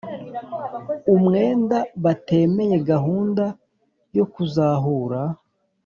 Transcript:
umwenda batemeye gahunda yo kuzahura